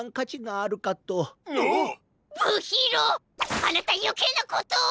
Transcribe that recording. あなたよけいなことを！